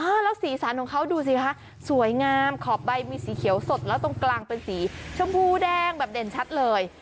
แล้วสีสันของเขาดูสิคะสวยงามขอบใบมีสีเขียวสดแล้วตรงกลางเป็นสีชมพูแดงแบบเด่นชัดเลย